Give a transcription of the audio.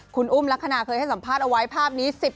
คุณอุ้มลักษณะเคยให้สัมภาษณ์เอาไว้ภาพนี้